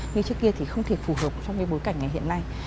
như trước kia thì không thể phù hợp trong cái bối cảnh ngày hiện nay